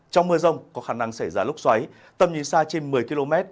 trong mưa rông có khả năng xảy ra lốc xoáy tầm nhìn xa trên một mươi km